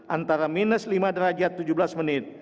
antara minus lima derajat tujuh belas menit